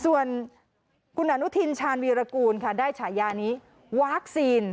ส่วนคุณอนุทินชาญวีรกูลค่ะได้ฉายานี้วัคซีน